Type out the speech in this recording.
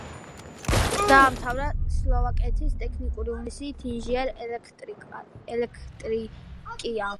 დაამთავრა სლოვაკეთის ტექნიკური უნივერსიტეტი, პროფესიით ინჟინერ–ელექტრიკია.